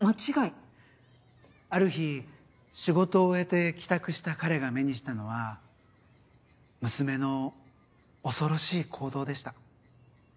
ある日仕事を終えて帰宅した彼が目にしたのは娘の恐ろしい行動でした。